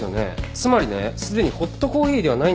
つまりねすでにホットコーヒーではないんですよ。